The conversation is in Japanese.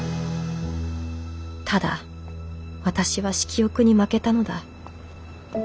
ただ私は色欲に負けたのだ。